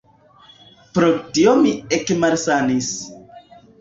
Pro tio mi ekmalsanis.